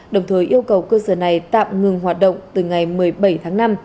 đồng thời yêu cầu cơ sở này tạm ngừng hoạt động từ ngày một mươi bảy tháng năm